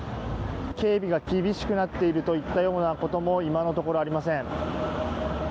警備が厳しくなっているといったようなことも今のところありません。